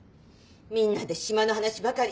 みんなで島の話ばかり。